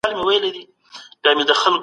ن نارینه هم باید پروستات معاینه کړي.